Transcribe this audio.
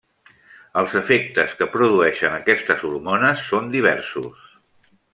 Els efectes que produeixen aquestes hormones són diversos.